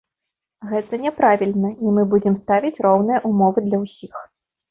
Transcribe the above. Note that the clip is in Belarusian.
Гэта няправільна, і мы будзем ставіць роўныя ўмовы для ўсіх.